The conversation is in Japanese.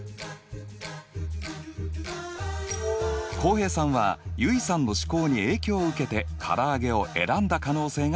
浩平さんは結衣さんの試行に影響を受けて唐揚げを選んだ可能性があります。